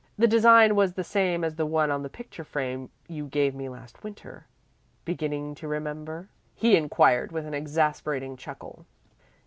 The design was the same as the one on the picture frame you gave me last winter. Beginning to remember?" he inquired with an exasperating chuckle.